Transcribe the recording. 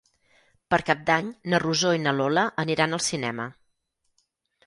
Per Cap d'Any na Rosó i na Lola aniran al cinema.